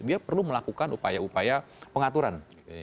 dia perlu melakukan upaya upaya pengaturan